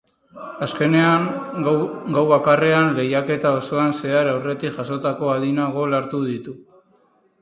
Azkenean, gau bakarrean lehiaketa osoan zehar aurretik jasotako adina gol hartu ditu.